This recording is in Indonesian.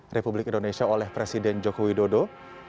kuseno dan bedua negara di indonesia oleh presiden joko widodo